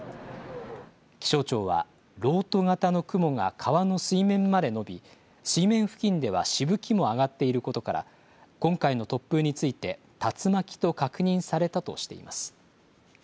気象庁は、ろうと型の雲が川の水面まで延び、水面付近ではしぶきも上がっていることから今回の突風について竜巻と確認されたとしています。